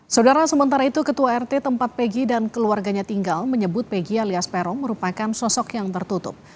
saudara sementara itu ketua rt tempat pegi dan keluarganya tinggal menyebut pegi alias peron merupakan sosok yang tertutup